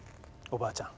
おばあちゃん？